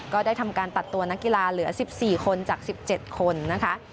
ก็ได้ทำการตัดตัวนักกีฬาเหลือ๑๔คนจาก๑๗คนนะคะ